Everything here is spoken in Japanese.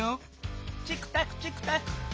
チクタクチクタク。